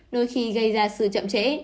đôi khi gây ra sự chậm trễ